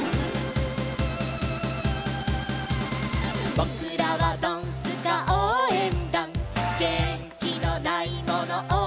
「ぼくらはドンスカおうえんだん」「げんきのないものおうえんだ！！」